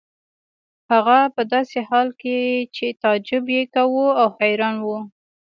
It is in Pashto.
هغه په داسې حال کې چې تعجب یې کاوه او حیران و.